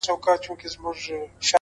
وخت د غفلت حساب اخلي’